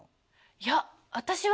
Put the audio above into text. いや私は。